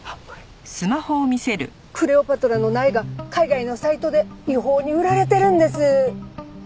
クレオパトラの苗が海外のサイトで違法に売られてるんです。